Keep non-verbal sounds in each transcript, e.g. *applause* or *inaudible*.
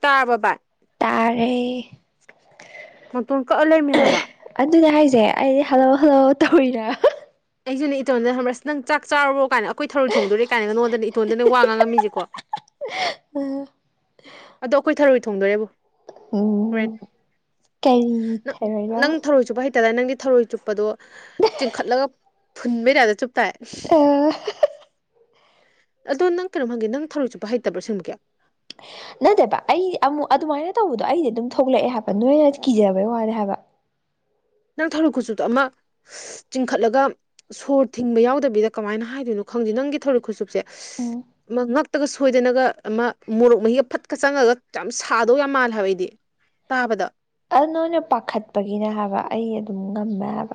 ꯇꯥꯔꯕ ꯕꯥꯢ ꯇꯔꯦ ꯃꯇꯣꯟ ꯀꯛꯑ ꯂꯩꯔꯃꯦ ꯍꯥꯏꯕ ꯑꯗꯨꯅꯦ ꯍꯥꯏꯖꯦ ꯑꯩꯗꯤ ꯍꯜꯂꯣ ꯍꯜꯂꯣ ꯇꯧꯔꯤꯅꯦꯕ ꯑꯩꯖꯨꯅꯦ ꯏꯇꯣꯟꯗ ꯈꯪꯕꯔ ꯁ ꯅꯪ ꯆꯥꯛꯆꯥꯔꯕꯣ ꯀꯥꯏꯅ ꯑꯩꯈꯣꯏ ꯊꯔꯣꯢ ꯊꯣꯡꯗꯣꯔꯦ ꯀꯥꯏꯅꯒ ꯅꯉꯣꯟꯗꯅꯦ ꯏꯇꯣꯟꯗꯅꯦ ꯋꯥ ꯉꯥꯡꯉꯝꯃꯤꯖꯦꯀꯣ ꯑ ꯑꯗꯣ ꯑꯩꯈꯣꯏ ꯊꯔꯣꯏ ꯊꯣꯡꯗꯣꯔꯦꯕꯣ ꯍꯣꯔꯦꯟ ꯎꯝ ꯀꯔꯤ ꯅꯪ ꯊꯔꯣꯏꯅꯣ ꯅꯪ ꯊꯧꯔꯣꯏ ꯆꯨꯞꯄ ꯍꯩꯇꯗꯥꯢ ꯅꯪꯗꯤ ꯊꯧꯔꯣꯏ ꯆꯨꯞ ꯆꯨꯞꯄꯗꯣ ꯆꯤꯡꯈꯠꯂꯒ ꯐꯨꯟꯕꯩ ꯇꯥꯢꯞꯇ ꯆꯨꯞ ꯇꯥꯏ ꯎ ꯍꯦꯍꯦ ꯑꯗꯣ ꯅꯪ ꯀꯩꯅꯣꯝ ꯍꯥꯏꯒꯦ ꯅꯪ ꯊꯔꯣꯢ ꯆꯨꯞꯄ ꯍꯩꯇꯕ꯭ꯔꯣ ꯑꯁꯦꯡꯃꯛꯀꯤ ꯅꯠꯇꯦꯕ ꯑꯩ ꯑꯃꯨꯛ ꯑꯗꯨꯃꯥꯏꯅ ꯇꯧꯕꯗꯣ ꯑꯩꯗꯤ ꯑꯗꯨꯝ ꯊꯣꯛꯂꯛꯑꯦ ꯍꯥꯏꯕ ꯅꯣꯏꯅ ꯀꯤꯖꯕꯩ ꯋꯥꯅꯦ ꯍꯥꯏꯕ ꯅꯪ ꯊꯔꯣꯢ ꯈꯨꯆꯨꯞꯇꯣ ꯑꯃ ꯁ ꯆꯤꯡꯈꯠꯂꯒ ꯁꯣꯔ ꯊꯤꯡꯕ ꯌꯥꯎꯗꯕꯤꯗ ꯀꯃꯥꯏꯅ ꯍꯥꯏꯗꯣꯏꯅꯣ ꯈꯪꯗꯦ ꯅꯪꯒꯤ ꯊꯔꯣꯢ ꯈꯨꯆꯨꯞꯁꯦ ꯎꯝ ꯑꯃ ꯉꯛꯇꯒ ꯁꯣꯏꯗꯅꯒ ꯑꯃ ꯃꯣꯔꯣꯛ ꯃꯍꯤꯒ ꯐꯠꯀ ꯆꯪꯉꯒ ꯌꯥꯝ ꯁꯥꯗꯧ ꯌꯥꯝ ꯃꯥꯜꯂꯦ ꯍꯥꯏꯕ ꯑꯩꯗꯤ ꯇꯥꯕꯗ ꯑꯗꯨ ꯅꯣꯏꯅ ꯄꯥꯈꯠꯄꯒꯤꯅꯦ ꯍꯥꯏꯕ ꯑꯩ ꯑꯗꯨꯝ ꯉꯝꯃꯦ ꯍꯥꯏꯕ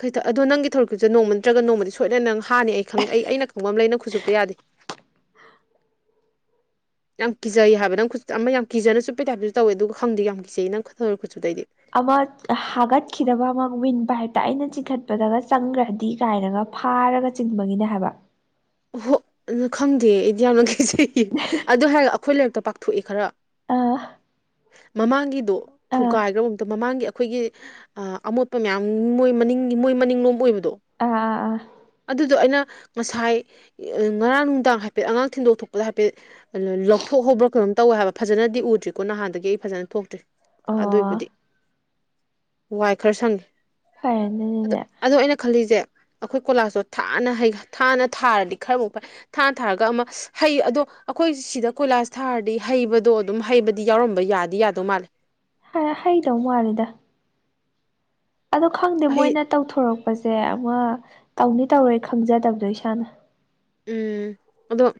ꯈꯇ ꯑꯗꯣ ꯅꯪꯒꯤ ꯊꯧꯁꯥꯠ ꯅꯣꯡ ꯅꯠꯇ꯭ꯔ ꯅꯣꯡꯃꯗꯤ ꯁꯣꯏꯅ ꯅꯪꯅ ꯍꯥꯅꯤ ꯑꯩ ꯈꯪ ꯑꯩ ꯑꯩꯅ ꯈꯪꯕ ꯑꯃ ꯂꯩ ꯅꯪ ꯈꯨꯆꯨꯞꯇ ꯌꯥꯗꯦ *inaudible* ꯌꯥꯝ ꯀꯤꯖꯩ ꯍꯥꯏꯕ ꯅꯪ ꯈꯨꯠ ꯑꯃ ꯌꯥꯝ ꯀꯤꯖꯅ ꯆꯨꯞꯄꯦ ꯇꯥꯏꯞꯗꯨꯁꯨ ꯇꯧꯋꯦ ꯑꯗꯨꯒ ꯍꯪꯗꯤ ꯌꯥꯝ ꯀꯤꯖꯩꯌꯦ ꯅꯪ ꯊꯔꯣꯢ ꯈꯨꯠꯆꯨꯞꯗꯣ ꯑꯩꯗꯤ ꯑꯃ ꯍꯥꯒꯠꯈꯤꯗꯕ ꯑꯃ ꯋꯤꯟꯕ ꯄꯥꯌꯦꯞꯇ ꯑꯩꯅ ꯆꯤꯡꯈꯠꯄꯗꯒ ꯆꯪꯈ꯭ꯔꯗꯤ ꯀꯥꯏꯅꯒ ꯐꯥꯔꯒ ꯆꯤꯡꯕꯒꯤꯅꯦ ꯍꯥꯏꯕ ꯑꯍꯣ ꯑꯗꯨ ꯈꯪꯗꯦ ꯑꯩꯗꯤ ꯌꯥꯝꯅ ꯀꯤꯖꯩꯌꯦ ꯑꯗꯨ ꯍꯥꯏꯔ ꯑꯩꯈꯣꯏ ꯂꯩꯔꯛꯇ ꯄꯥꯛꯊꯣꯛꯑꯦ ꯈꯔ ꯑꯥ ꯃꯃꯥꯡꯒꯤꯗꯣ ꯑꯥ ꯊꯨꯒꯥꯏꯒꯔꯕꯣ ꯑꯝꯇ ꯃꯃꯥꯡꯒꯤ ꯑꯩꯈꯣꯏꯒꯤ ꯑꯃꯣꯠꯄ ꯃꯌꯥꯝ ꯃꯣꯏ ꯃꯅꯤꯡꯒꯤ ꯃꯣꯏ ꯃꯅꯤꯡꯂꯣꯝ ꯑꯣꯏꯕꯗꯣ ꯑꯥ ꯑꯥ ꯑꯥ ꯑꯗꯨꯗꯣ ꯑꯩꯅ ꯉꯁꯥꯏ ꯉꯔꯥꯡ ꯅꯨꯡꯗꯥꯡ ꯍꯥꯏꯐꯦꯠ ꯑꯉꯥꯡ ꯊꯤꯟꯗꯣꯛ ꯊꯣꯛꯄꯗ ꯍꯥꯏꯐꯦꯠ ꯂꯧꯊꯣꯛꯍꯧꯕ꯭ꯔꯥ ꯀꯩꯅꯣꯝ ꯇꯧꯋꯦ ꯍꯥꯏꯕ ꯐꯖꯅꯗꯤ ꯎꯗ꯭ꯔꯤꯀꯣ ꯅꯍꯥꯟꯗꯒꯤ ꯑꯩ ꯐꯖꯅ ꯊꯣꯛꯇ꯭ꯔꯤ ꯑꯣ ꯑꯗꯨꯏꯕꯨꯗꯤ ꯋꯥꯏ ꯈꯔ ꯁꯪꯉꯦ ꯐꯔꯦꯅꯦ ꯑꯗꯨꯗꯤ ꯑꯗꯣ ꯑꯩꯅ ꯈꯜꯂꯤꯖꯦ ꯑꯩꯈꯣꯏ ꯀꯣꯂꯥꯁꯇꯣ ꯊꯥꯅ ꯍꯩ ꯊꯥꯅ ꯊꯥꯔꯗꯤ ꯈꯔꯃꯨꯛ ꯐꯩ ꯊꯥꯅ ꯊꯥꯔꯒ ꯑꯃ ꯍꯩ ꯑꯗꯣ ꯑꯩꯈꯣꯏ ꯁꯤꯗ ꯀꯣꯏꯂꯥꯁ ꯊꯥꯔꯗꯤ ꯍꯩꯕꯗꯣ ꯑꯗꯨꯝ ꯍꯩꯕꯗꯤ ꯌꯥꯎꯔꯝꯕ ꯌꯥꯗꯤ ꯌꯥꯗꯧ ꯃꯥꯜꯂꯦ ꯍꯩꯗꯧ ꯃꯥꯂꯦꯗ ꯑꯗꯨ ꯈꯪꯗꯦ ꯍꯩ ꯃꯣꯏꯅ ꯇꯧꯊꯣꯔꯛꯄꯁꯦ ꯑꯃ ꯇꯧꯅꯤ ꯇꯧꯔꯣꯏ ꯈꯪꯖꯗꯕꯗꯣ ꯏꯁꯥꯅ ꯎꯝ ꯑꯗꯣ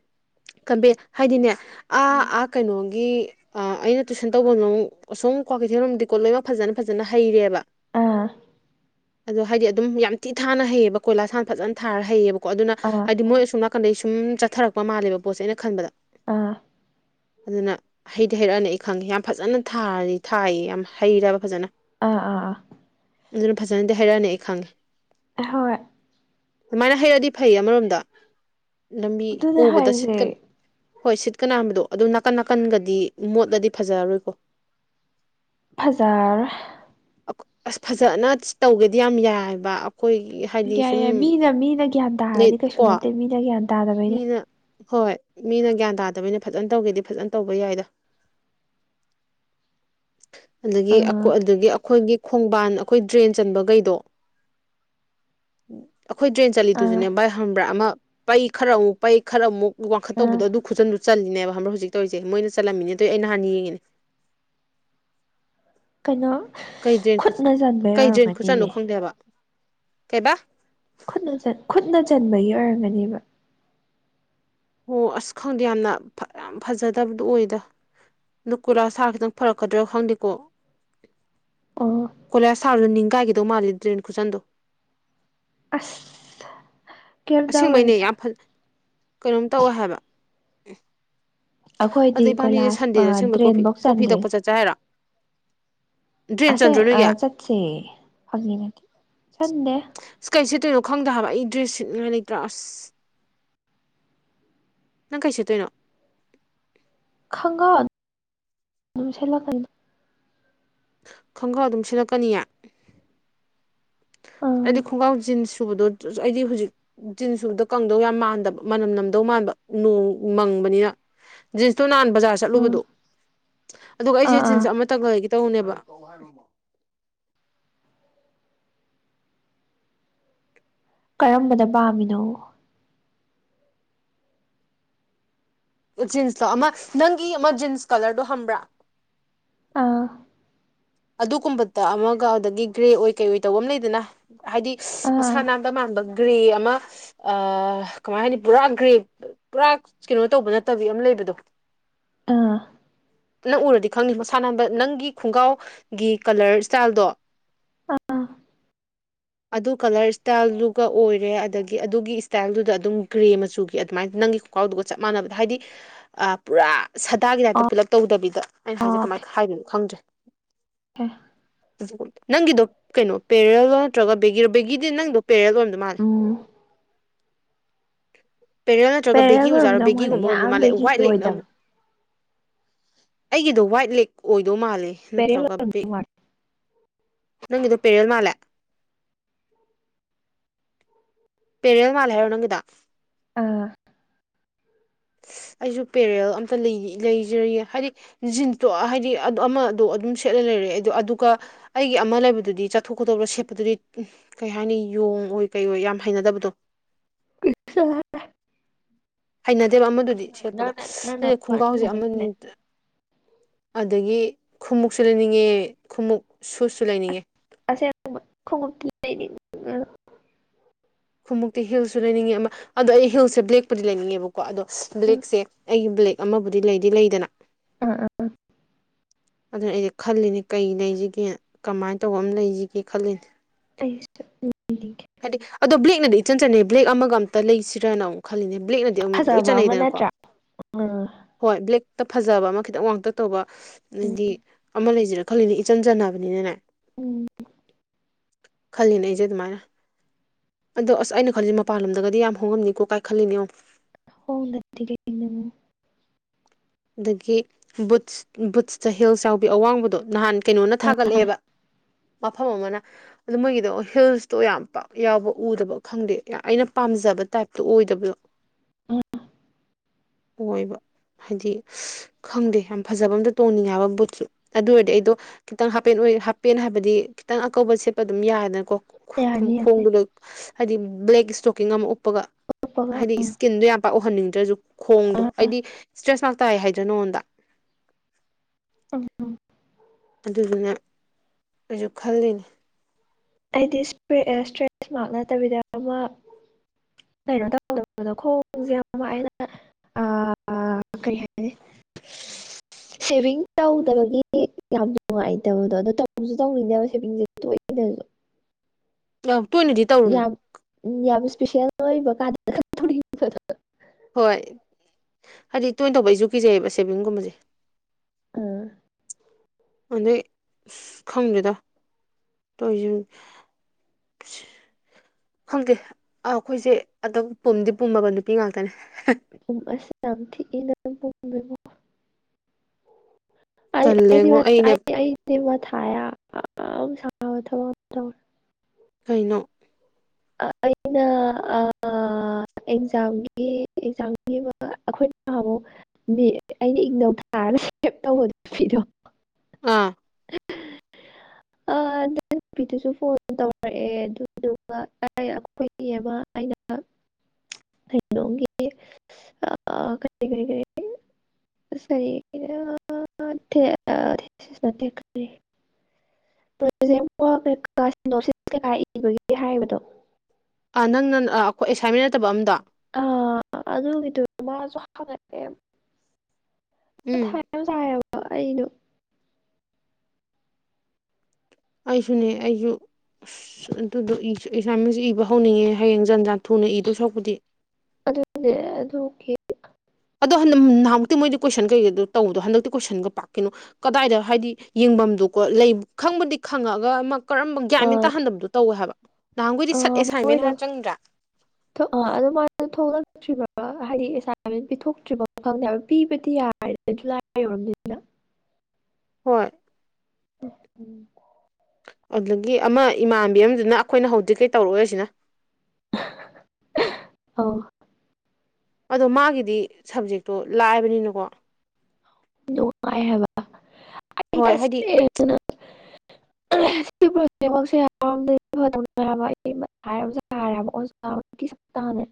ꯀꯝꯕꯤ ꯍꯥꯏꯗꯤꯅꯦ ꯑꯥ ꯎꯝ ꯑꯥ ꯀꯩꯅꯣꯒꯤ ꯑ ꯑꯩꯅ ꯇꯨꯏꯁꯟ ꯇꯧꯕꯝꯂꯣꯝ ꯑꯁꯣꯝ ꯀ꯭ꯋꯥꯀꯩꯊꯦꯜꯔꯣꯝꯗꯤꯀꯣ ꯂꯣꯏꯅꯃꯛ ꯐꯖꯅ ꯐꯖꯅ ꯍꯩꯔꯦꯕ ꯑꯥ ꯑꯗꯣ ꯍꯥꯏꯗꯤ ꯑꯗꯨꯝ ꯌꯥꯝ ꯊꯤ ꯊꯥꯅ ꯍꯩꯑꯦꯕ ꯀꯣꯏꯂꯥꯁ ꯀꯥ ꯐꯖꯅ ꯊꯥꯔ ꯍꯩꯌꯦꯕ ꯀꯣ ꯑꯗꯨꯅ ꯑꯥ ꯍꯥꯏꯗꯤ ꯃꯣꯏ ꯑꯩ ꯁꯨꯝ ꯆꯠꯊꯔꯛꯄ ꯃꯥꯜꯂꯦꯕ ꯄꯣꯠꯁꯦ ꯑꯩꯅ ꯈꯟꯕꯗ ꯑꯥ ꯑꯗꯨꯅ ꯍꯩꯗꯤ ꯍꯩꯔꯛꯑꯅꯤ ꯈꯪꯉꯦ ꯌꯥꯝ ꯐꯖꯅ ꯊꯥꯗꯤ ꯊꯥꯏꯌꯦ ꯌꯥꯝ ꯍꯩꯔꯕ ꯐꯖꯅ ꯑꯥ ꯑꯥ ꯑꯥ ꯑꯗꯨꯅ ꯐꯖꯅꯗꯤ ꯍꯥꯏꯔꯛꯑꯅꯤ ꯑꯩ ꯈꯪꯉꯦ ꯍꯣꯏ ꯑꯗꯨꯃꯥꯏꯅ ꯍꯩꯔꯛꯗꯤ ꯐꯩ ꯑꯃꯔꯣꯝꯗ ꯂꯝꯕꯤ ꯑꯗꯨꯅꯦ ꯎꯕꯗ ꯍꯥꯏꯁꯦ ꯁꯤꯠꯀꯅꯤ ꯍꯣꯏ ꯁꯤꯠꯀꯅꯥꯕꯗꯣ ꯑꯗꯨ ꯅꯥꯀꯟ ꯅꯥꯀꯟꯒꯗꯤ ꯃꯣꯠꯂꯗꯤ ꯐꯖꯔꯔꯣꯏꯀꯣ *unintelligible* ꯐꯖꯔꯥꯔꯣꯢ ꯑꯁ ꯐꯖꯅ ꯇꯧꯒꯦꯗꯤ ꯌꯥꯝ ꯌꯥꯏꯕ ꯑꯩꯈꯣꯏꯒꯤ ꯍꯥꯏꯗꯤ ꯌꯥꯏ ꯁꯨꯝ ꯌꯥꯏ ꯃꯤꯅ ꯃꯤꯅ ꯒ꯭ꯌꯥꯟ ꯇꯥꯔꯗꯤ ꯂꯦꯠ ꯀꯩꯁꯨ ꯀꯣ ꯅꯠꯇꯦ ꯃꯤꯅ ꯒ꯭ꯌꯥꯟ ꯇꯥꯗꯕꯩꯅꯦ ꯃꯤꯅ ꯍꯣꯏ ꯃꯤꯅ ꯒ꯭ꯌꯥꯟ ꯇꯥꯗꯕꯅꯤꯅ ꯐꯖꯅ ꯇꯧꯒꯦꯗꯤ ꯐꯖꯅ ꯇꯧꯕ ꯌꯥꯏꯗꯣ *unintelligible* ꯑꯗꯒꯤ ꯑꯥ ꯑꯗꯒꯤ ꯑꯩꯈꯣꯏꯒꯤ ꯈꯣꯡꯕꯥꯟ ꯑꯩꯈꯣꯏ ꯗ꯭ꯔꯦꯟ ꯆꯟꯕꯈꯩꯗꯣ ꯑꯩꯈꯣꯏ ꯗ꯭ꯔꯦꯟ ꯑꯥ ꯆꯠꯂꯤꯗꯨꯁꯨꯅꯦ ꯕꯥꯏ ꯍꯪꯕ꯭ꯔꯥ ꯑꯃ ꯄꯩ ꯈꯔ ꯑꯃꯨꯛ ꯄꯩ ꯈꯔ ꯑꯃꯨꯛ ꯋꯥꯡꯈꯠ ꯑꯥ ꯇꯧꯕꯗꯣ ꯑꯗꯨ ꯈꯨꯠꯆꯟꯗꯨ ꯆꯠꯜꯂꯤꯅꯦꯕ ꯍꯧꯖꯤꯛ ꯇꯧꯔꯤꯁꯦ ꯃꯣꯏꯅ ꯆꯜꯂꯝꯃꯤꯅ ꯑꯗꯨ ꯑꯩꯩ ꯅꯍꯥꯟ ꯌꯦꯡꯉꯤꯅꯦ ꯀꯩꯅꯣ ꯀꯩ ꯗ꯭ꯔꯦꯟ ꯈꯨꯠꯅ ꯆꯟꯕꯩ ꯀꯩ ꯗ꯭ꯔꯦꯟ ꯈꯨꯠꯆꯟꯅꯣ ꯑꯣꯏꯔꯝꯒꯅꯤꯃꯤ ꯈꯪꯗꯦꯕ ꯀꯩꯕꯥ ꯈꯨꯠꯅ ꯈꯨꯠꯅ ꯆꯟꯕꯒꯤ ꯑꯣꯏꯔꯝꯒꯅꯦꯕ ꯑꯣ ꯑꯁ ꯈꯪꯗꯦ ꯌꯥꯝꯅ ꯌꯥꯝ ꯐꯖꯗꯕꯗꯣ ꯑꯣꯏꯗ ꯗꯨ ꯀꯣꯢꯂꯥꯁ ꯊꯥꯔꯛꯄꯗ ꯈꯤꯇꯪ ꯐꯔꯛꯀꯗ꯭ꯔꯥ ꯈꯪꯗꯦꯀꯣ ꯑꯣ ꯀꯣꯢꯂꯥꯥꯁ ꯊꯔꯁꯨ ꯅꯤꯡ ꯀꯥꯏꯒꯗꯧ ꯃꯥꯜꯂꯦ ꯗ꯭ꯔꯦꯟ ꯈꯨꯠꯆꯟꯗꯣ ꯑꯁ ꯀꯩꯝ ꯑꯁꯦꯡꯕꯩꯅꯦ ꯇꯧꯔꯣꯏꯗ ꯌꯥꯝ ꯐ ꯀꯩꯅꯣꯝ ꯇꯧꯋꯦ ꯍꯥꯏꯕ ꯑꯩꯈꯣꯏꯗꯤ ꯑꯗꯣ ꯀꯣꯏꯂꯥꯁ ꯑꯥ ꯗ꯭ꯔꯦꯟꯕꯧ ꯆꯟꯗꯔꯤ ꯆꯛ ꯆꯥꯏꯔꯣ ꯑꯁꯦ ꯅꯣꯏꯒꯤ ꯑꯥ ꯆꯠꯁꯦ ꯍꯧꯖꯤꯛꯅꯠꯇꯦ ꯆꯟꯗꯦ ꯑꯁ ꯀꯩ ꯁꯦꯠꯇꯣꯏꯅꯣ ꯈꯪꯗ ꯍꯥꯏꯕ ꯑꯩ ꯗ꯭ꯔꯦꯁ ꯁꯦꯠꯅꯤꯉꯥꯏ ꯂꯩꯇ꯭ꯔꯦ ꯑꯁ ꯅꯪ ꯀꯩ ꯁꯠꯇꯣꯏꯅꯣ ꯈꯪꯒꯥꯎ ꯑꯗꯨ ꯁꯦꯠꯂꯛꯀꯅꯤꯗ ꯈꯪꯒꯥꯎ ꯑꯗꯨꯝ ꯁꯦꯠꯂꯛꯀꯅꯤꯌꯦ ꯑꯩꯗꯤ ꯑꯥ ꯈꯣꯡꯒ꯭ꯔꯥꯎ ꯖꯤꯟꯁ ꯁꯨꯕꯗꯣ ꯑꯩꯗꯤ ꯍꯧꯖꯤꯛ ꯖꯤꯟꯁ ꯁꯨꯕꯗꯣ ꯀꯪꯗꯧ ꯌꯥꯝ ꯃꯥꯟꯗꯕ ꯃꯅꯝ ꯅꯝꯗꯧ ꯃꯥꯟꯕ ꯅꯣꯡ ꯃꯪꯕꯅꯤꯅ ꯖꯤꯟꯁꯇꯣ ꯅꯍꯥꯟ ꯕꯖꯥꯔ ꯑꯥ ꯆꯠꯂꯨꯕꯗꯣ ꯑꯗꯨꯒ ꯑꯩꯁꯦ ꯑꯥ ꯑꯥ ꯖꯤꯟꯁ ꯑꯃꯇꯛ ꯂꯩꯒꯦ ꯇꯧꯕꯅꯦꯕ ꯀꯔꯝꯕꯗ ꯄꯥꯝꯃꯤꯅꯣ ꯖꯤꯟꯁꯇꯣ ꯑꯃ ꯅꯪꯒꯤ ꯑꯃ ꯖꯤꯟꯁ ꯀꯂꯔꯗꯣ ꯈꯪꯕ꯭ꯔꯥ ꯑꯥ ꯑꯗꯨꯒꯨꯝꯕꯗ ꯑꯃꯒ ꯑꯗꯨꯗꯒꯤ ꯒ꯭ꯔꯦ ꯑꯣꯏ ꯀꯩ ꯑꯣꯏ ꯇꯧꯕ ꯑꯃ ꯂꯩꯗꯅ ꯍꯥꯏꯗꯤ ꯑꯥ ꯃꯁꯥ ꯅꯥꯟꯗ ꯃꯥꯟꯕ ꯒ꯭ꯔꯦ ꯑꯃ ꯑ ꯀꯃꯥꯏ ꯍꯥꯏꯅꯤ ꯄꯨꯔꯥ ꯒ꯭ꯔꯦ ꯄꯨꯔꯥ ꯀꯩꯅꯣ ꯇꯧꯕ ꯅꯠꯇꯕꯤ ꯑꯃ ꯂꯩꯕꯗꯣ ꯑꯥ ꯅꯪ ꯎꯔꯗꯤ ꯈꯪꯅꯤ ꯃꯁꯥꯅꯥꯟꯕ ꯅꯪꯒꯤ ꯈꯣꯡꯒꯥꯎ ꯒ꯭ꯔꯦ ꯀꯂꯔ ꯁ꯭ꯇꯥꯜꯗꯣ ꯑꯥ ꯑꯥ *unintelligible* ꯑꯗꯨ ꯀꯂꯔ ꯏꯁꯇꯥꯏꯜꯗꯨꯒ ꯑꯣꯏꯔꯦ ꯑꯗꯒꯤ ꯑꯗꯨꯒꯤ ꯏꯁꯇꯥꯏꯜꯗꯨꯗ ꯑꯗꯨꯝ ꯒ꯭ꯔꯦ ꯃꯆꯨꯒꯤ ꯑꯗꯨꯃꯥꯏꯅ ꯅꯪꯒꯤ ꯀꯥꯎꯗꯨꯒ ꯆꯞ ꯃꯥꯟꯅꯕꯗ ꯍꯥꯏꯗꯤ ꯄꯨꯔꯥ ꯁꯗꯥꯒꯤ ꯂꯥꯏꯇ ꯄꯨꯂꯞ ꯇꯧꯗꯕꯤꯗ ꯑꯩꯅ ꯍꯥꯏꯁꯦ ꯀꯃꯥꯏꯅ ꯍꯥꯏꯗꯨꯢꯅꯣ ꯈꯪꯗ꯭ꯔꯦ ꯍꯦ ꯅꯪꯒꯤꯗꯣ ꯀꯩꯅꯣ ꯄꯦꯔꯦꯜ ꯅꯠꯇ꯭ꯔꯒ ꯕꯦꯒꯤꯔꯣ ꯕꯦꯒꯤꯗꯤ ꯅꯪꯗꯣ ꯄꯦꯔꯦꯂꯣꯝꯗ ꯃꯥꯅꯦ ꯎꯝ ꯄꯦꯔꯦꯜ ꯅꯠꯇ꯭ꯔꯒ ꯄꯦꯔꯦꯜ ꯕꯦꯒꯤ ꯑꯣꯏꯖꯥꯔꯣ ꯑꯣꯏꯔꯝꯗꯧ ꯃꯥꯜꯂꯦ ꯕꯦꯒꯤꯒꯨꯝꯕ ꯑꯣꯏꯔꯝꯗ ꯌꯥꯝ ꯃꯥꯜꯂꯦ ꯕꯦꯒꯤꯗꯤ ꯋꯥꯏꯠ ꯂꯦꯛꯅ ꯑꯣꯏꯗꯕꯅꯦ ꯑꯃꯨꯛ ꯑꯩꯒꯤꯗꯣ ꯋꯥꯏꯠ ꯂꯦꯛ ꯑꯣꯏꯗꯧ ꯃꯥꯜꯂꯦ ꯄꯦꯔꯦꯜ ꯅꯠꯇ꯭ꯔꯒ ꯕꯦꯛ ꯑꯣꯏꯔꯝꯗꯧ ꯃꯥꯜꯂꯦ ꯅꯪꯒꯤꯗꯣ ꯄꯦꯔꯦꯜ ꯃꯥꯜꯂꯦ ꯄꯦꯔꯦꯜ ꯃꯥꯜꯂꯦ ꯍꯥꯏꯔꯣ ꯅꯪꯒꯤꯗꯣ ꯑꯥ ꯑꯩꯖꯨ ꯄꯦꯔꯦꯜ ꯑꯝꯇ ꯂꯩ ꯂꯩꯖꯔꯤꯌꯦ ꯍꯥꯏꯕꯗꯤ ꯖꯤꯟꯁꯇꯣ ꯍꯥꯏꯗꯤ ꯑꯃꯗꯣ ꯑꯗꯨꯝ ꯁꯦꯠꯅ ꯂꯩꯔꯂ ꯑꯗꯨ ꯑꯗꯨꯒ ꯑꯩꯒꯤ ꯑꯃ ꯂꯩꯕꯗꯨꯗꯤ ꯆꯠꯊꯣꯛ ꯈꯣꯇꯣꯛꯄꯗ ꯁꯦꯠꯄꯗꯨꯗꯤ ꯀꯩ ꯍꯥꯏꯅꯤ ꯌꯣꯡ ꯑꯣꯏ ꯀꯩ ꯑꯣꯏ ꯌꯥꯝ ꯍꯩꯅꯗꯕꯗꯣ ꯀꯩꯁꯨ ꯇꯧꯔꯣꯏꯍꯦ ꯍꯩꯅꯗꯦꯕ ꯑꯃꯗꯨꯗꯤ ꯁꯦꯠꯄꯗ ꯅꯪꯅ ꯅꯪꯅ ꯑꯩꯅ ꯈꯣꯡꯒ꯭ꯔꯥꯎꯁꯦ ꯑꯃꯅꯤ ꯐꯖꯅ ꯑꯗꯒꯤ ꯈꯨꯝꯃꯨꯛꯁꯨ ꯂꯩꯅꯤꯡꯏ ꯈꯨꯃꯨꯛ ꯁꯨꯁꯁꯨ ꯂꯩꯅꯤꯡꯏ ꯑꯁꯦꯡ ꯈꯣꯡꯎꯞꯇꯤ ꯂꯩꯅꯤꯡ *unintelligible* ꯈꯣꯡꯃꯨꯛꯇꯤ ꯍꯤꯜꯁꯨ ꯂꯩꯅꯤꯡꯏ ꯑꯃ ꯑꯗꯣ ꯑꯩ ꯍꯤꯜꯁꯦ ꯕ꯭ꯂꯦꯛꯄꯨꯗꯤ ꯂꯩꯅꯤꯡꯉꯦꯕꯀꯣ ꯑꯗꯣ ꯑꯥ ꯕ꯭ꯂꯦꯛꯁꯦ ꯑꯩꯒꯤ ꯕ꯭ꯂꯦꯛ ꯑꯃꯕꯨꯗꯤ ꯂꯩꯗꯤ ꯂꯩꯗꯅ ꯎꯝ ꯎꯝ ꯎꯝ ꯑꯗꯨꯅ ꯑꯩꯗꯤ ꯈꯜꯂꯤꯅꯤ ꯀꯩ ꯂꯩꯖꯤꯒꯦ ꯀꯃꯥꯏꯅ ꯇꯧꯕ ꯑꯃ ꯂꯩꯖꯤꯒꯦ ꯈꯜꯂꯤꯅꯤ ꯑꯩꯁꯨ ꯂꯩꯅꯤꯡꯉꯦ ꯍꯥꯏꯗꯤ ꯑꯗꯣ ꯕ꯭ꯂꯦꯛꯅꯗꯤ ꯏꯆꯟ ꯆꯟꯅꯩ ꯕ꯭ꯂꯦꯛ ꯑꯃꯒ ꯑꯝꯇ ꯂꯩꯁꯤꯔꯥꯅ ꯑꯃꯨꯛ ꯈꯜꯂꯤꯅꯦ ꯕ꯭ꯂꯦꯛꯅꯗꯤ ꯑꯗꯨꯝ ꯂꯣꯏ ꯐꯖꯕ ꯑꯃ ꯆꯟꯅꯩꯗꯅꯀꯣ ꯅꯠꯇ꯭ꯔꯥ ꯑꯥ ꯍꯣꯏ ꯕ꯭ꯂꯦꯛꯇ ꯐꯖꯕ ꯑꯃ ꯈꯤꯇꯪ ꯋꯥꯥꯛꯇꯛ ꯇꯧꯕ ꯎꯝ ꯍꯥꯏꯗꯤ ꯑꯃ ꯂꯩꯖꯤꯔ ꯈꯜꯂꯤꯅꯤ ꯏꯆꯟ ꯆꯟꯅꯕꯅꯤꯅꯅꯦ ꯎꯝ ꯈꯜꯂꯤꯅꯦ ꯑꯩꯖꯦ ꯑꯗꯨꯃꯥꯏꯅ ꯑꯗꯣ ꯑꯁ ꯑꯩꯅ ꯈꯜꯂꯤꯁꯦ ꯃꯄꯥꯟ ꯂꯣꯝꯗꯒꯗꯤ ꯌꯥꯝ ꯍꯣꯡꯉꯝꯅꯤꯀꯣ ꯀꯥꯏ ꯈꯜꯂꯤꯅꯦ ꯌꯦꯡꯉꯨ ꯍꯣꯡꯗꯗꯤ ꯀꯩꯅꯣ ꯑꯗꯒꯤ ꯕꯨꯠꯁ ꯕꯨꯠꯁꯇ ꯍꯤꯜ ꯌꯥꯎꯕꯤ ꯑꯋꯥꯡꯕꯗꯣ ꯅꯍꯥꯟ ꯀꯩꯅꯣꯅ ꯊꯥꯒꯠꯂꯛꯑꯦꯕ ꯃꯐꯝ ꯑꯃꯅ ꯑꯗꯨ ꯃꯣꯏꯒꯤꯗ ꯍꯤꯜꯁꯇꯣ ꯌꯥꯝ-ꯄꯥꯛ ꯌꯥꯎꯕ ꯎꯗꯕ ꯈꯪꯗꯦ ꯑꯩꯅ ꯄꯥꯝꯖꯕ ꯇꯥꯏꯞ ꯇꯣꯛꯑꯣꯏꯗꯕꯗꯣ ꯑꯣꯏꯕ ꯍꯥꯏꯗꯤ ꯈꯪꯗꯦ ꯌꯥꯝ ꯐꯖꯕ ꯑꯝꯇ ꯇꯣꯡꯅꯤꯡꯉꯦ ꯍꯥꯏꯕ ꯕꯨꯠꯁꯨ ꯑꯗꯨ ꯑꯣꯏꯔꯗꯤ ꯑꯩꯗꯣ ꯈꯤꯇꯪ ꯍꯥꯄꯦꯟ ꯑꯣꯏ ꯍꯥꯞ-ꯄꯦꯟ ꯍꯥꯏꯕꯗꯤ ꯈꯤꯇꯪ ꯑꯀꯧꯕ ꯁꯦꯠꯄ ꯑꯗꯨꯝ ꯌꯥꯏꯔꯦꯗꯅꯀꯣ ꯌꯥꯅꯤ ꯈꯨꯈꯣꯡ ꯌꯥꯅꯤ ꯈꯣꯡꯗꯣꯕꯣꯛ ꯍꯥꯏꯗꯤ ꯕ꯭ꯂꯦꯛ ꯏꯁꯇꯣꯀꯤꯡ ꯑꯃ ꯎꯞꯄꯒ *unintelligible* ꯍꯥꯏꯗꯤ ꯏꯁꯀꯤꯟꯗꯗꯣ ꯌꯥꯝ ꯄꯥꯛ ꯎꯍꯟꯅꯤꯡꯗ꯭ꯔꯁꯨ ꯈꯣꯡꯗꯣ ꯑꯥ ꯍꯥꯏꯗꯤ ꯏꯁꯇ꯭ꯔꯦꯁ ꯃꯛꯇꯥꯏ ꯍꯥꯏꯗ꯭ꯔ ꯅꯪꯉꯣꯟꯗ ꯎꯝ ꯑꯗꯨꯗꯨꯅ ꯑꯩꯁꯨ ꯈꯜꯂꯤꯅꯦ ꯑꯩꯗꯤ ꯏꯁꯄꯦꯑꯦꯁ ꯏꯁꯇ꯭ꯔꯦꯁ ꯃꯥꯔꯛ ꯅꯠꯇꯕꯤꯗ ꯑꯃ ꯀꯩꯅꯣ ꯇꯧꯗꯕꯗꯣ ꯈꯣꯡꯁꯦ ꯌꯥꯝ ꯋꯥꯏꯅ ꯑꯥ ꯀꯔꯤ ꯍꯥꯏꯅꯤ *inaudible* ꯁꯦꯕꯤꯡ ꯇꯧꯗꯕꯒꯤ ꯌꯥꯝ ꯅꯨꯡꯉꯥꯏꯇꯕꯗꯣ ꯑꯗꯣ ꯇꯧꯖꯨ ꯇꯧꯅꯤꯅꯦꯕ ꯁꯦꯕꯤꯡꯖꯦ ꯇꯣꯢꯅꯖꯨ ꯌꯝ ꯇꯣꯏꯅꯤꯗꯤ ꯌꯥꯝ ꯎꯝ ꯌꯥꯝ ꯏꯁꯄꯤꯁꯦꯜ ꯑꯣꯏꯕ ꯀꯥꯟꯗꯈꯛ ꯊꯨꯅꯤꯕꯗꯣ ꯍꯣꯏ ꯍꯥꯏꯗꯤ ꯇꯣꯏ ꯇꯧꯕ ꯀꯤꯖꯩꯑꯕ ꯁꯦꯕꯤꯡꯒꯨꯝꯕꯖꯦ ꯎꯝ ꯑꯗꯩ ꯑꯁ ꯈꯪꯗꯦꯗ ꯇꯣꯏꯖꯤ ꯑꯁ ꯈꯪꯗꯦ ꯑꯥ ꯑꯩꯈꯣꯏꯖꯦ ꯑꯗꯨꯝ ꯄꯨꯝꯗꯤ ꯄꯨꯝꯃꯕ ꯅꯨꯄꯤ ꯉꯥꯛꯇꯅꯦ ꯄꯨꯝꯕꯁꯦ ꯌꯝ ꯊꯤꯅ ꯄꯨꯝꯃꯦꯕꯣ *unintelligible* ꯇꯜꯂꯦꯉꯣ ꯑꯩꯅꯦ ꯑꯩꯗꯤ ꯃꯊꯥ ꯌꯝ ꯁꯥꯕ ꯊꯕꯛ ꯑꯃ ꯇꯧꯔꯦ ꯀꯩꯅꯣ ꯑꯥ ꯑꯩꯅ ꯑꯥ ꯑꯥ ꯑꯦꯛꯖꯥꯝꯒꯤ ꯑꯦꯛꯖꯥꯝꯒꯤ ꯑꯃ ꯑꯩꯈꯣꯏꯅ ꯅꯍꯟꯃꯨꯛ ꯕꯤ ꯑꯩꯅ ꯏꯛꯅꯧ ꯊꯥꯔꯒ ꯁꯦꯞ ꯇꯧꯕꯗ ꯅꯨꯄꯤꯗꯣ ꯑꯥ ꯑꯥ ꯑꯗꯨ ꯅꯨꯄꯤꯗꯨꯁꯨ ꯐꯣꯟ ꯇꯧꯔꯛꯑꯦ ꯑꯗꯨꯗꯨꯒ ꯇꯥꯏꯌꯦ ꯀꯨꯢꯌꯦꯕ ꯑꯩꯅ *inaudible* ꯀꯩꯅꯣꯝꯒꯤ ꯑꯁ ꯑꯥ ꯀꯔꯤ ꯀꯔꯤ ꯀꯔꯤ *unintelligible* ꯊꯦꯁꯤꯁ ꯅꯠꯇꯦ *unintelligible* ꯍꯥꯏꯕꯗꯣ ꯑꯥ ꯅꯪꯅ ꯑꯥꯈꯣꯏ ꯑꯦꯁꯥꯏꯟꯃꯦꯟ ꯅꯠꯇꯕ ꯑꯝꯗꯣ ꯑꯥ ꯑꯗꯨꯒꯤꯗꯣ ꯃꯥꯁꯨ ꯍꯥꯞꯂꯛꯌꯦꯞ ꯃꯊꯥ ꯎꯝ ꯌꯝ ꯁꯥꯏ ꯍꯥꯏꯕ ꯑꯩꯗꯣ ꯑꯩꯁꯨꯅꯦ ꯑꯩꯁꯨ ꯑꯁ ꯑꯗꯨꯗꯣ ꯑꯦꯁꯥꯏꯃꯟꯁꯨ ꯏꯕ ꯍꯧꯅꯤꯡꯉꯦ ꯍꯌꯦꯡ ꯖꯟ-ꯖꯥꯟ ꯊꯨꯅ ꯏꯗꯣꯏ ꯁꯔꯨꯛꯄꯨꯗꯤ ꯑꯗꯨꯅꯦ ꯑꯗꯨꯀꯤ ꯑꯗꯣ ꯍꯗꯛ ꯅꯍꯥꯃꯨꯛꯇꯤ ꯃꯣꯏꯗꯤ ꯀꯣꯏꯁꯟ ꯀꯩꯀꯩꯗ ꯇꯧꯕꯗꯣ ꯍꯟꯗꯛꯇꯤ ꯀꯣꯏꯁꯟꯒ ꯄꯥꯛꯀꯤꯅꯣ ꯀꯗꯥꯏꯗ ꯍꯥꯏꯗꯤ ꯌꯦꯡꯕꯝꯗꯨ ꯀꯣ ꯂꯩ ꯈꯪꯕꯨꯗꯤ ꯈꯪꯉꯥꯒ ꯑꯃ ꯀꯔꯝꯕ ꯒ꯭ꯤꯌꯥꯟ-ꯃꯦꯟ ꯑꯥ ꯇꯥꯍꯟꯗꯕꯗꯣ ꯇꯧꯋꯦ ꯍꯥꯏꯕ ꯅꯍꯥꯟꯒꯣꯏꯗꯤ ꯁꯠ ꯑꯥ ꯑꯦꯁꯥꯏꯟꯃꯦꯟ ꯃꯣꯏꯗꯣ ꯍꯥꯏꯔ ꯆꯪꯗ꯭ꯔꯥ ꯑꯥ ꯑꯗꯨ ꯃꯥꯗꯣ ꯊꯣꯛꯂꯛꯇ꯭ꯔꯤꯕ ꯍꯥꯏꯗꯤ ꯑꯦꯁꯥꯏꯟꯃꯦꯟ ꯄꯤꯊꯣꯛꯇ꯭ꯔꯤꯕ ꯈꯪꯗꯦ ꯍꯥꯏꯕ ꯄꯤꯕꯗꯤ ꯌꯥꯏ *unintelligible* ꯍꯣꯏ *unintelligible* ꯑꯗꯒꯤ ꯑꯃ ꯏꯃꯥꯟꯕꯤ ꯑꯃꯗꯨꯅ ꯑꯩꯈꯣꯏꯅ ꯍꯧꯗꯔꯤꯈꯩ ꯇꯧꯔꯛꯑꯣꯏ ꯑꯁꯤꯅ ꯑꯧ ꯑꯗꯣ ꯃꯥꯒꯤꯗꯤ ꯁꯕꯖꯦꯛꯇꯣ ꯂꯥꯛꯏꯕꯅꯤꯅꯀꯣ ꯑꯗꯨ ꯋꯥꯏ ꯍꯥꯏꯕꯥ ꯍꯣꯏ *inaudible* ꯁꯤ ꯄ꯭ꯔꯣꯖꯦꯛꯃꯛꯁꯦ ꯌꯥꯝꯔ ꯍꯕ ꯑꯩ ꯍꯥꯏꯔ ꯍꯥꯏꯔꯦ ꯇꯥꯗꯦ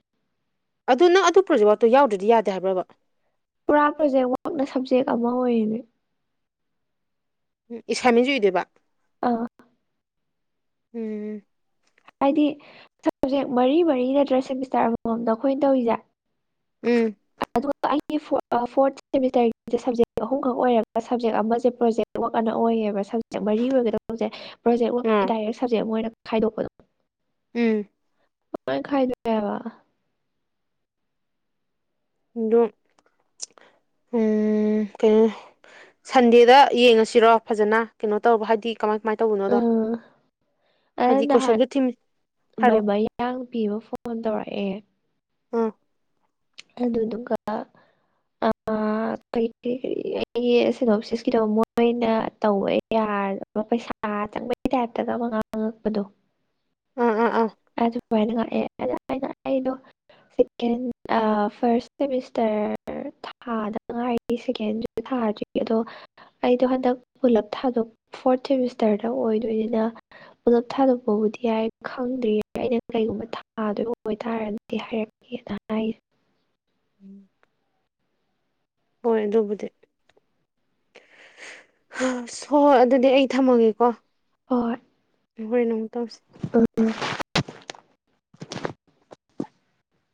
ꯑꯗꯨ ꯅꯪ ꯑꯗꯨ ꯄ꯭ꯔꯣꯖꯦꯛ ꯋꯥꯛ ꯇꯣ ꯌꯥꯎꯗ꯭ꯔꯗꯤ ꯌꯥꯗꯦ ꯍꯥꯏꯕ꯭ꯔꯕ ꯄꯨꯔꯥ ꯄ꯭ꯔꯣꯖꯦꯛ ꯋꯥꯛꯅ ꯁꯕꯖꯦꯛ ꯑꯃ ꯑꯣꯏꯔꯤꯅꯦ ꯎꯝ ꯏꯁꯥꯢꯃꯦꯟꯖꯨ ꯏꯗꯣꯏꯕ ꯑꯥ ꯎꯝ ꯍꯥꯏꯗꯤ ꯁꯕꯖꯦꯛ ꯃꯔꯤ-ꯃꯔꯤ ꯅꯠꯇ꯭ꯔꯥ ꯁꯦꯃꯤꯁꯇꯔ ꯑꯃꯃꯝꯗ ꯑꯩꯈꯣꯏꯅ ꯇꯧꯔꯤꯖꯦ ꯎꯝ ꯑꯗꯨꯒ ꯑꯩꯒꯤ ꯐꯣꯔꯠ ꯐꯣꯔꯠ ꯁꯦꯃꯤꯁꯇꯔꯒꯤ ꯁꯕꯖꯦꯛ ꯑꯍꯨꯝꯈꯛ ꯑꯣꯏꯔꯒ ꯁꯕꯖꯦꯛ ꯑꯃꯖꯦ ꯄ꯭ꯔꯣꯖꯦꯛ *unintelligible* ꯁꯕꯖꯦꯛ ꯃꯔꯤ ꯑꯣꯏꯒꯗꯧꯕꯁꯦ ꯄ꯭ꯔꯣꯖꯦꯛ ꯋꯔꯛꯀꯤ ꯑꯥ ꯗꯥꯏꯔꯦꯛ ꯁꯕꯖꯦꯛ ꯑꯃꯥ ꯑꯣꯏꯅ ꯈꯥꯏꯗꯣꯛꯄꯗꯣ ꯎꯝ ꯀꯥꯃꯥꯏ ꯈꯥꯏꯗꯣꯏꯅꯣ ꯗꯦ ꯍꯥꯏꯕꯥ ꯑꯗꯨꯝ ꯎꯝ ꯀꯩꯅꯣ ꯁꯟꯗꯦꯗ ꯌꯦꯡꯉꯁꯤꯔꯣ ꯐꯖꯅ ꯀꯩꯅꯣ ꯇꯧꯕ ꯍꯥꯏꯗꯤ ꯀꯃꯥꯏ ꯀꯃꯥꯏꯅ ꯇꯧꯕꯅꯣꯗꯣ ꯎꯝ ꯍꯥꯏꯗꯤ ꯀꯣꯏꯁꯟꯁꯨ ꯊꯤꯡ ꯍꯥꯏꯔꯛꯑꯣ ꯑꯥꯡ ꯄꯤꯕ ꯐꯣꯟ ꯇꯧꯔꯛꯑꯦ ꯎꯝ꯫ ꯑꯗꯨꯗꯨꯒ ꯀꯔꯤ ꯀꯔꯤ ꯀꯔꯤ ꯑꯩꯒꯤꯅꯣꯁꯤꯁꯀꯤꯗꯣ ꯃꯣꯏꯅ ꯇꯧꯕ ꯌꯥꯔ꯫ ꯄꯩꯁꯥ ꯆꯪꯕꯒꯤ ꯇꯥꯏꯞꯇꯗ ꯃ ꯉꯥꯡꯉꯛꯄꯗꯣ ꯑꯥ ꯑ ꯑꯥ ꯑꯗꯨ ꯌꯥꯝꯅ ꯉꯥꯛꯑꯦ ꯑꯩꯅ ꯑꯩꯗꫭ꯫ ꯁꯦꯀꯦꯟ ꯐꯥꯔꯁ ꯁꯦꯃꯤꯁꯇꯔ꯫ ꯊꯥꯗꯉꯥꯏꯔꯤ ꯁꯦꯀꯦꯟꯗ꯭ꯔꯤꯗ ꯊꯥꯗ꯭ꯔꯤ ꯑꯗꯣ꯫ ꯑꯩꯗꯣ ꯍꯟꯗꯛ ꯄꯨꯂꯞ ꯊꯥꯗꯣꯛ ꯐꯣꯔꯠ ꯁꯦꯃꯤꯁꯇꯔꯗ ꯑꯣꯏꯗꯣꯏꯅꯤꯅ ꯄꯨꯂꯞ ꯊꯥꯗꯣꯛꯄꯕꯨꯗꯤ ꯌꯥꯏ ꯈꯪꯗꯔ꯭ꯤ ꯑꯩꯅ ꯀꯩꯒꯨꯝꯕ ꯊꯥꯗꯣꯏꯕ ꯑꯣꯏꯇꯥꯔꯗꯤ ꯍꯥꯏꯔꯛꯀꯦꯅ ꯍꯥꯏꯒꯤꯕꯅꯦ *unintelligible* ꯍꯣꯏ ꯑꯗꯨꯕꯨꯗꯤ ꯍꯣ ꯍꯣꯏ ꯑꯗꯨꯗꯤ ꯑꯩ ꯊꯝꯃꯒꯦꯀꯣ ꯍꯣꯏ ꯍꯤꯔꯦꯟ ꯑꯃꯨꯛ ꯇꯧꯁꯤ *unintelligible*